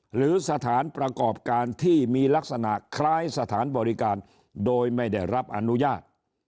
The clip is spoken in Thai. หรือสถานประกอบการที่มีลักษณะคล้ายสถานบริการโดยไม่ได้รับอนุญาต